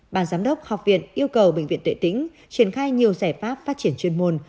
bàn giám đốc học viện yêu cầu bệnh viện tuệ tĩnh triển khai nhiều giải pháp phát triển chuyên môn